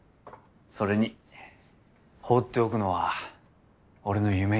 それに放っておくのは俺の夢に反する。